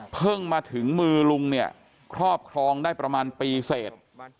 มาถึงมือลุงเนี่ยครอบครองได้ประมาณปีเสร็จ